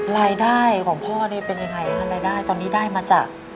รายได้ของพ่อนี่เป็นยังไงรายได้ตอนนี้ได้มาจาก